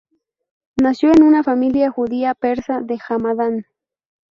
Nació en una familia judía persa de Hamadán.